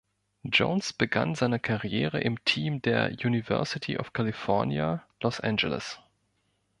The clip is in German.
Jones begann seine Karriere im Team der University of California, Los Angeles.